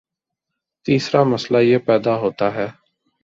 تیسرامسئلہ یہ پیدا ہوتا ہے